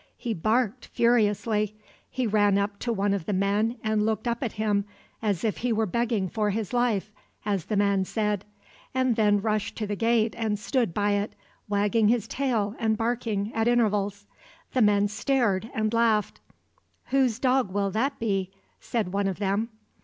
He barked furiously. He ran up to one of the men and looked up at him, "as if he were begging for his life," as the man said, and then rushed to the gate and stood by it, wagging his tail and barking at intervals. The men stared and laughed. "Whose dog will that be?" said one of them.